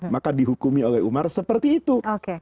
maka dihukumi oleh umar seperti itu